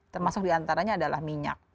termasuk diantaranya adalah minyak